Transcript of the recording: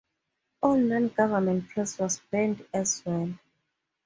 All non-government press was banned as well.